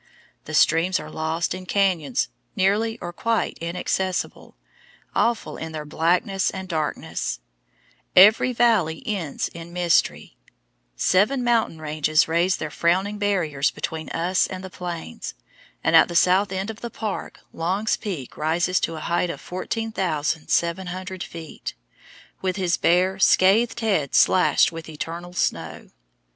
The streams are lost in canyons nearly or quite inaccessible, awful in their blackness and darkness; every valley ends in mystery; seven mountain ranges raise their frowning barriers between us and the Plains, and at the south end of the park Long's Peak rises to a height of 14,700 feet, with his bare, scathed head slashed with eternal snow.